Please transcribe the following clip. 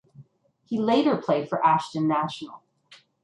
He later played for Ashton National.